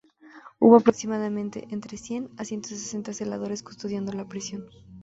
Hubo aproximadamente entre cien a ciento sesenta celadores custodiando la prisión.